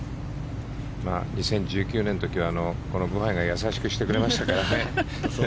２０１９年の時はこのブハイが優しくしてくれましたからね。